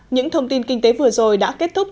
những thông tin kinh tế vừa rồi đã kết thúc